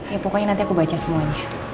ya pokoknya nanti aku baca semuanya